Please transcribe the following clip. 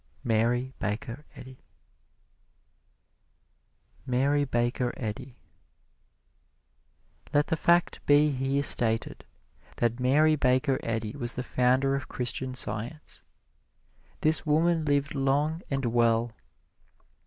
Mary Baker Eddy MARY BAKER EDDY Let the fact be here stated that Mary Baker Eddy was the founder of Christian Science. This woman lived long and well.